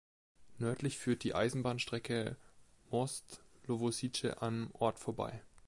Nördlich führt die Eisenbahnstrecke Most–Lovosice am Ort vorbei.